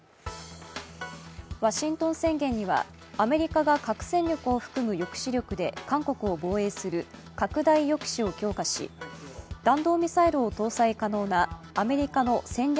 ワシントン宣言にはアメリカが核戦力を含む抑止力で韓国を防衛する拡大抑止を強化し、弾道ミサイルを搭載可能なアメリカの戦略